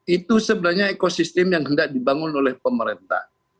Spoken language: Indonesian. itu sebenarnya ekosistem yang hendak dibangun oleh pemerintah